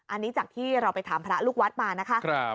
อันนี้จากที่เราไปถามพระลูกวัดมานะคะ